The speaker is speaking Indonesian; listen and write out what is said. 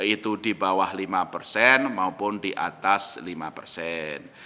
itu di bawah lima persen maupun di atas lima persen